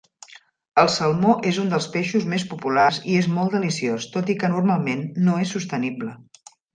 El salmó és un dels peixos més populars i és molt deliciós, tot i que normalment no és sostenible.